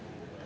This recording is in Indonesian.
aku udah lupa